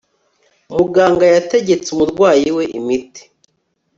muganga yategetse umurwayi we imiti